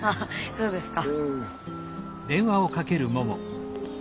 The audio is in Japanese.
そうですか。